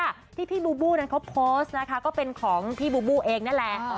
เธอที่พี่บูบูเพิ่มของเธอเองนั่นแหละ